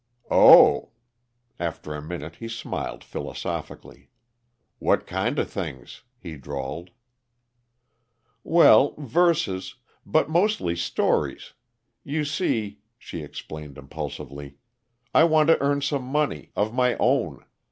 "Oh!" After a minute he smiled philosophically. "What kinda things?" he drawled. "Well, verses, but mostly stories. You see," she explained impulsively, "I want to earn some money of my own.